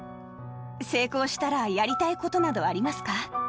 成功したらやりたいことなどありますか？